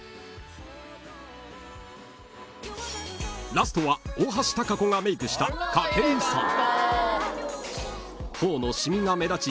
［ラストは大橋タカコがメイクしたカケイさん］